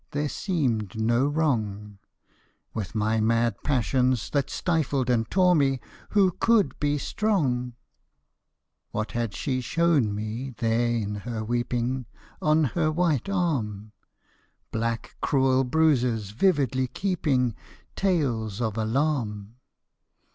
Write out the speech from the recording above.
There seemed no wrong : With my mad passions that stifled and tore me, Who could be strong ? 3 MY LADY'S SLIPPER What had she shown me there in her weeping, On her white arm ? Black, cruel bruises vividly keeping Tales of alarm.